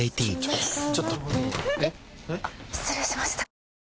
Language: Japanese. あっ失礼しました。